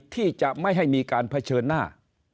ที่จะไม่ให้มีการเผชิญหน้า